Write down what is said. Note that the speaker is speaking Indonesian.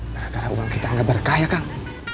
dara dara uang kita gak berkaya kang